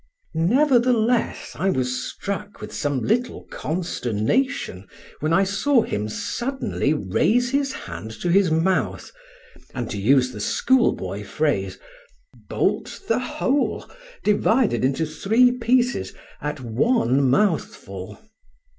Nevertheless, I was struck with some little consternation when I saw him suddenly raise his hand to his mouth, and, to use the schoolboy phrase, bolt the whole, divided into three pieces, at one mouthful.